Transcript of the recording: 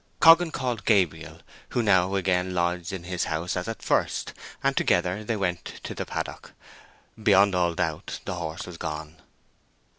Coggan called Gabriel, who now again lodged in his house as at first, and together they went to the paddock. Beyond all doubt the horse was gone.